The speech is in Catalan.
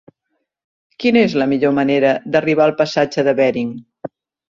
Quina és la millor manera d'arribar al passatge de Bering?